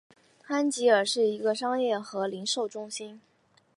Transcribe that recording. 安吉尔是一个商业和零售中心。